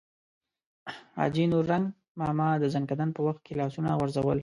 حاجي نورنګ ماما د ځنکدن په وخت کې لاسونه غورځول.